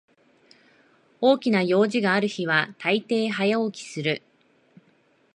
大きな用事がある日はたいてい早起きする